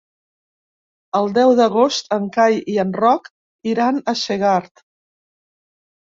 El deu d'agost en Cai i en Roc iran a Segart.